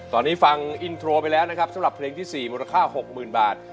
ตอนนี้ฟังอินโทรไปแล้วนะครับสำหรับเพลงที่๔มูลค่า๖๐๐๐บาท